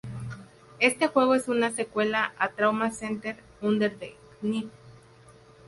Este juego es una secuela a Trauma Center: Under the Knife.